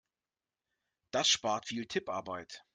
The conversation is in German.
Das spart viel Tipparbeit.